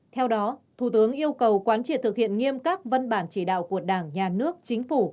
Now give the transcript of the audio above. theo đó thủ tướng yêu cầu quán triệt thực hiện nghiêm các văn bản chỉ đạo của đảng nhà nước chính phủ